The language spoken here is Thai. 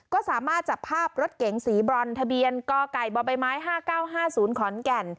ก็สามารถจับภาพรถเก๋งสีบรอนทะเบียนกไก่บใบไม้๕๙๕๐ขอนแก่น